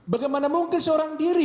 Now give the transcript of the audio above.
bagaimana mungkin seorang diri